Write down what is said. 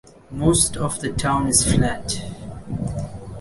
Most of the town is flat.